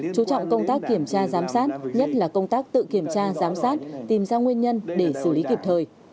chú trọng công tác kiểm tra giám sát nhất là công tác tự kiểm tra giám sát tìm ra nguyên nhân để xử lý kịp thời